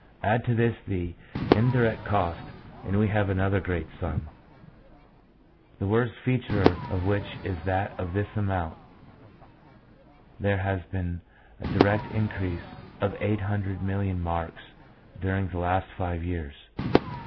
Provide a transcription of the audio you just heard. Add to this the indirect cost and we have another great sum, the worst feature of which is that of this amount there has been a direct increase of 800,000,000 marks during the last five years.